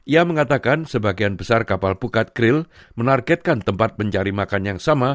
ia mengatakan sebagian besar kapal pukat krill menargetkan tempat mencari makan yang sama